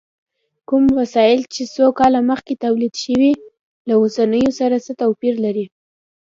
کوم وسایل چې څو کاله مخکې تولید شوي، له اوسنیو سره څه توپیر لري؟